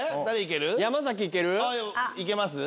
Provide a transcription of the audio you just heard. いけます？